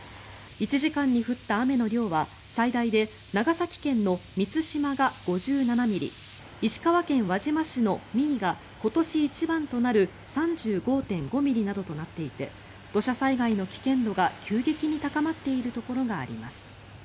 １時間に降った雨の量は最大で長崎県の美津島が５７ミリ石川県輪島市の三井が今年一番となる３５．５ミリなどとなっていて土砂災害の危険度が急激に高まっているところがあります。